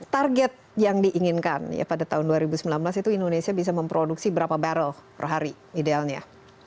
target yang diinginkan pada tahun dua ribu sembilan belas itu indonesia bisa memproduksi berapa barrel per hari idealnya